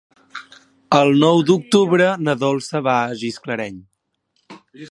El nou d'octubre na Dolça va a Gisclareny.